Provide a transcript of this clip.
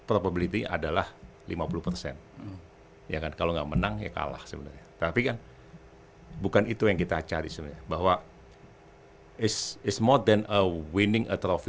semua orang mempunyai kepentingan